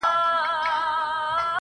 د تورو زلفو په هر تار راته خبري کوه.